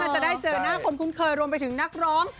จะได้เจอหน้าคนคุ้นเคยรวมไปถึงนักร้อง